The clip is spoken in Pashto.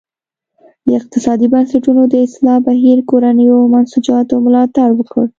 د اقتصادي بنسټونو د اصلاح بهیر کورنیو منسوجاتو ملاتړ وکړ.